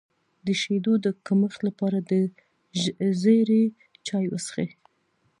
د شیدو د کمښت لپاره د زیرې چای وڅښئ